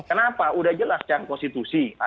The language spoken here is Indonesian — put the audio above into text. kenapa sudah jelas secara konstitusi